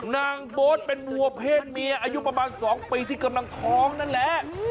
นางโบ๊ทเป็นวัวเพศเมียอายุประมาณ๒ปีที่กำลังท้องนั่นแหละ